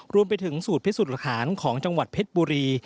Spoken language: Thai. รวมไปถึงสูตรพิสูจน์หลักฐานของจังหวัดเพชรบุรี